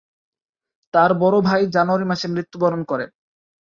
তার বড় ভাই জানুয়ারি মাসে মৃত্যুবরণ করে।